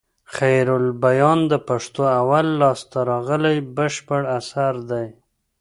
خيرالبيان د پښتو اول لاسته راغلى بشپړ اثر دئ.